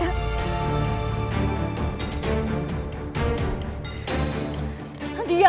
oh mbak nisa